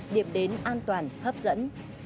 điểm đến an toàn hấp dẫn